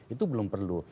itu belum perlu